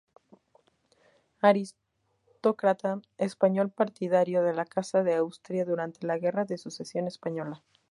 Aristócrata español partidario de la Casa de Austria durante la Guerra de Sucesión Española.